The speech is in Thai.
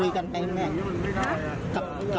ไม่เป็นไรค่ะ